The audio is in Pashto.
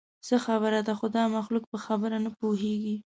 څه خبره ده؟ خو دا مخلوق په خبره نه پوهېږي.